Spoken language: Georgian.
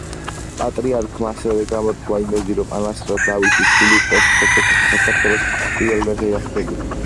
პატრიარქმა ასევე გამოთქვა იმედი, რომ ანასა და დავითის შვილი პოსტ-საბჭოთა საქართველოს პირველი მეფე გახდება.